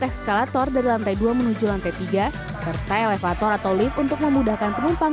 ekskalator dari lantai dua menuju lantai tiga serta elevator atau lift untuk memudahkan penumpang